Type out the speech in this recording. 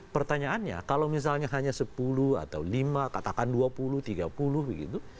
pertanyaannya kalau misalnya hanya sepuluh atau lima katakan dua puluh tiga puluh begitu